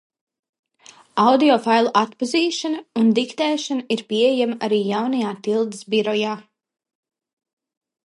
Audiofailu atpazīšana un diktēšana ir pieejama arī jaunajā Tildes Birojā.